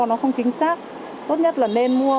nó không chính xác tốt nhất là nên mua